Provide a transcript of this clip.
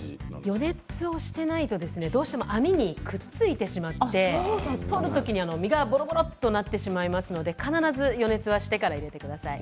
予熱をしていないとどうしても網にくっついてしまって取る時に身がぼろぼろとなってしまいますので必ず予熱をしてから焼いてください。